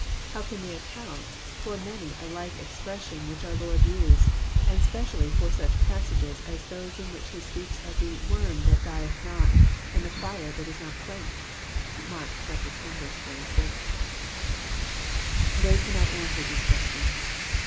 How can they account for many a like ex pression which our Lord used, and specially for such passages as those in which He speaks of the ^^ worm that dieth not and the fire that is not quenched "? (Mark x. 46.) Tbey cannot answer these questions.